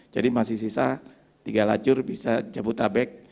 jadi masih sisa tiga lacur bisa jabutabek